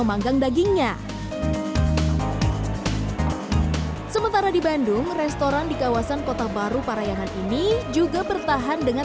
memanggang dagingnya sementara di bandung restoran di kawasan kota baru parayangan ini juga bertahan dengan